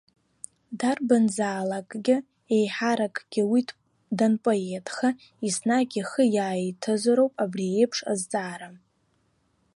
Дарбанзаалакгьы, еиҳаракгьы уи данпоетха, еснагь ихы иаиҭозароуп абри еиԥш азҵаара.